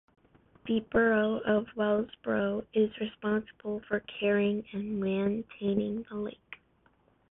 The borough of Wellsboro is responsible for caring and maintaining the lake.